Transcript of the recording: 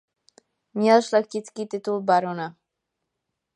Měl šlechtický titul barona.